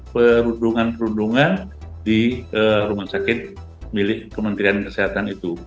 perundungan perundungan di rumah sakit milik kementerian kesehatan itu